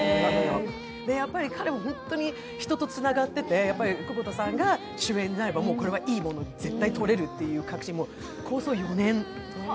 彼もやっぱり人とつながっていて、窪田さんが主演になれば、いいものを絶対撮れるという確信を持って構想４年。